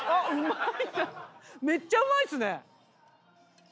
めっちゃうまいっすね。